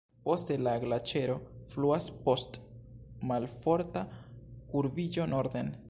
Poste la glaĉero fluas post malforta kurbiĝo norden.